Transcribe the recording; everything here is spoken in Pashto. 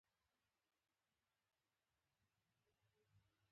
بزګر مجبور و چې د مالک په ځمکه کار وکړي.